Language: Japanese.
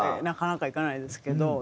なかなか行かないですけど。